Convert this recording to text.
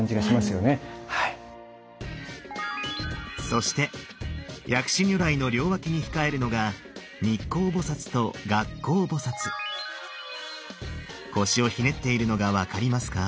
そして薬師如来の両脇に控えるのが日腰をひねっているのが分かりますか？